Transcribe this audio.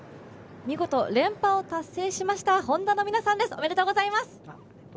見事、連覇を達成しましたＨｏｎｄａの皆さんですおめでとうございます。